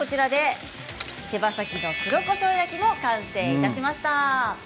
手羽先の黒こしょう焼きも完成しました。